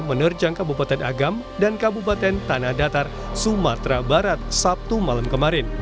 menerjang kabupaten agam dan kabupaten tanah datar sumatera barat sabtu malam kemarin